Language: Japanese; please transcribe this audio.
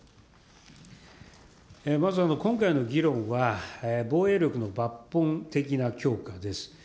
まず、今回の議論は、防衛力の抜本的な強化です。